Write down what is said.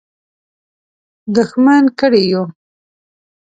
دښمن کړي یو.